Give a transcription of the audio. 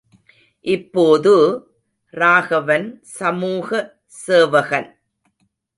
இப்போது, ராகவன் சமூக சேவகன்.